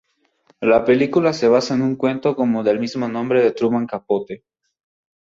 La película se basa en un cuento corto del mismo nombre de Truman Capote.